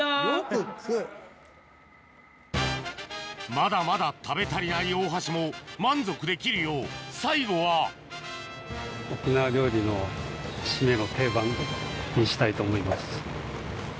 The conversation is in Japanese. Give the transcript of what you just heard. まだまだ食べ足りない大橋も満足できるよう最後はしたいと思います。